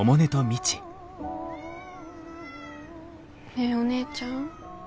ねえお姉ちゃん。